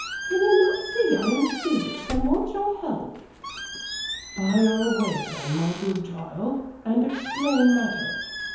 Can you not see I am serious and want your help?" "Fire away, then, my good child, and explain matters.